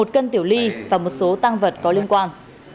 một cân tiểu ly và một số tăng vật có liên quan